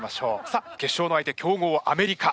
さあ決勝の相手強豪アメリカ。